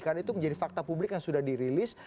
karena itu menjadi fakta publik yang sudah dirilis